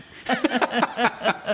ハハハハ！